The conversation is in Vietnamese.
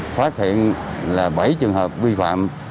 phát hiện là bảy trường hợp vi phạm